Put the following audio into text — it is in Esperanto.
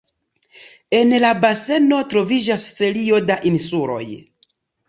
En la baseno troviĝas serio da insuloj.